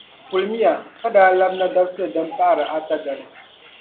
Kulimiya ka daa labina dabisili din pahiri ata dali.